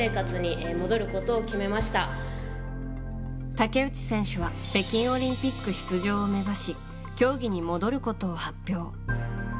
竹内選手は北京オリンピック出場を目指し競技に戻ることを発表。